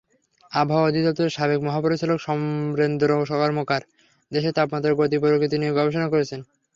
আবহাওয়া অধিদপ্তরের সাবেক মহাপরিচালক সমরেন্দ্র কর্মকার দেশের তাপমাত্রার গতি-প্রকৃতি নিয়ে গবেষণা করছেন।